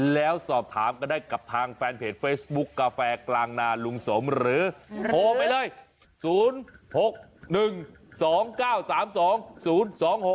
แล้วสอบถามกันได้กับทางแฟนเพจเฟซบุ๊คกาแฟกลางนาลุงสมหรือโทรไปเลย๐๖๑๒๙๓๒๐๒๖๖